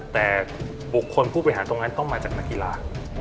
แต่บุคคลผู้บริหารตรงนั้นต้องมาจากนักกีฬา